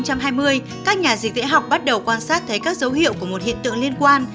các nhà dịch tễ học bắt đầu quan sát thấy các dấu hiệu của một hiện tượng liên quan